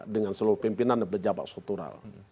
dengan seluruh pimpinan dan pejabat struktural